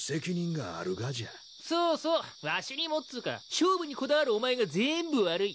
そうそう「わしにも」っつうか勝負にこだわるお前がぜーんぶ悪い。